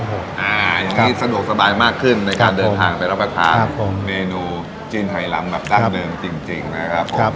อย่างนี้สะดวกสบายมากขึ้นในการเดินทางไปรับประทานเมนูจีนไทยลำแบบดั้งเดิมจริงนะครับผม